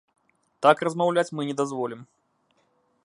Так размаўляць мы не дазволім.